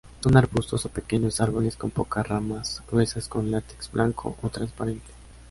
Son arbustos o pequeños árboles con pocas ramas, gruesas con látex blanco o transparente.